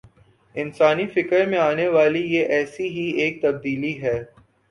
انسانی فکر میں آنے والی یہ ایسی ہی ایک تبدیلی ہے۔